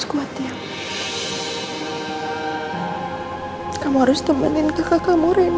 kamu harus temanin kakak kamu rena